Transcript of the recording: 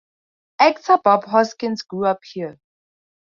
Actor Bob Hoskins grew up here.